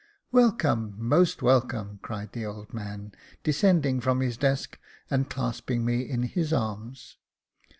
Welcome, most welcome," cried the old man, descending from his desk, and clasping me in his arms.